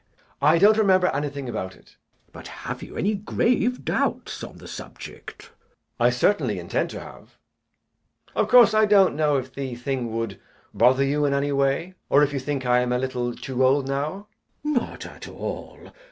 JACK. I don't remember anything about it. CHASUBLE. But have you any grave doubts on the subject? JACK. I certainly intend to have. Of course I don't know if the thing would bother you in any way, or if you think I am a little too old now. CHASUBLE. Not at all.